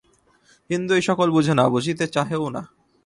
হিন্দু এই-সকল বুঝে না, বুঝিতে চাহেও না।